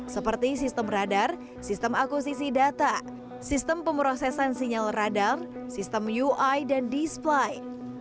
seperti sistem radar sistem akusisi data sistem pemrosesan sinyal radar sistem ui dan disply